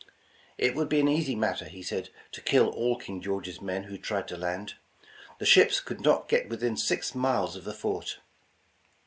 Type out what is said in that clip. It would be an easy matter, he said, to kill all King George's men who tried to land. The ships could not get within six miles of the fort.